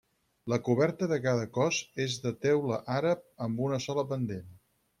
La coberta de cada cos és de teula àrab a una sola pendent.